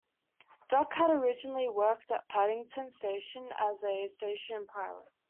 Duck had originally worked at Paddington station as a Station pilot.